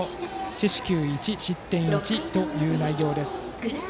四死球１、失点１という内容です。